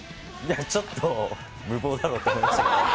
ちょっと無謀だろと思いましたけどね。